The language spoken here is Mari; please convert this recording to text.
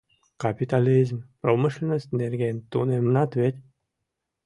Капитализм промышленность нерген тунемынат вет?